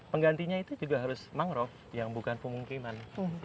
nah gantinya itu juga harus mangrove yang bukan pemukiman